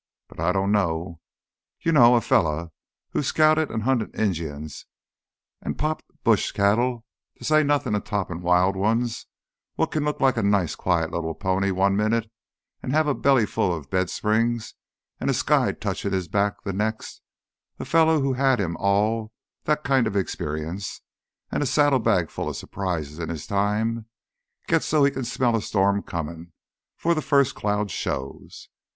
But I dunno. You know, a fella who's scouted an' hunted Injuns an' popped bush cattle, to say nothin' of toppin' wild ones what can look like a nice quiet little pony one minute an' have a belly full of bedsprings an' a sky touchin' back th' next—a fella who's had him all that kinda experience an' a saddlebag full of surprises in his time gits so he can smell a storm comin' 'fore th' first cloud shows.